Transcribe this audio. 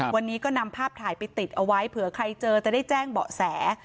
วันนี้ก็นำภาพถ่ายไปติดเอาไว้เผื่อใครเจอจะได้แจ้งเบาะแส